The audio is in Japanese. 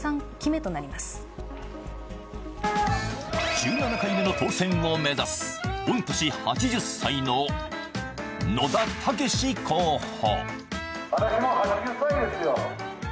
１７回目の当選を目指す、御年８０歳の野田毅候補。